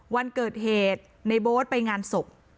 วันเกิดเหตุในโบ๊ทไปงานศพ